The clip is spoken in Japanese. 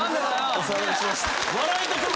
お騒がせしました。